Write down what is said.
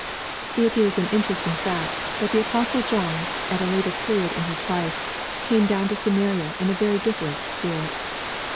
It is an interesting fact, that the apostle John, at a later period in his life, came down to Samaria in a very different spirit.